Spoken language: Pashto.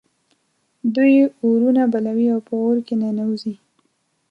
دوی اورونه بلوي او په اور کې ننوزي.